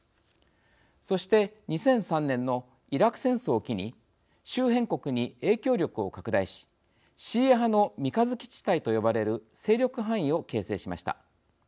そして、２００３年のイラク戦争を機に周辺国に影響力を拡大しシーア派の三日月地帯と呼ばれる勢力範囲を形成しました。